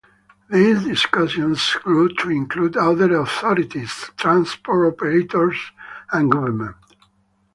These discussions grew to include other authorities, transport operators and government.